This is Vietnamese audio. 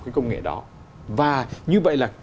cái công nghệ đó và như vậy là